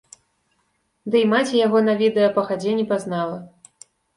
Ды і маці яго на відэа па хадзе не пазнала.